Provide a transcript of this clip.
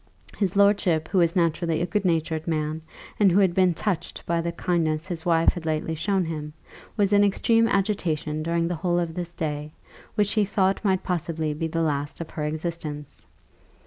His lordship, who was naturally a good natured man, and who had been touched by the kindness his wife had lately shown him, was in extreme agitation during the whole of this day, which he thought might possibly be the last of her existence.